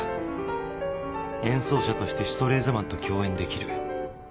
演奏者としてシュトレーゼマンと共演できる。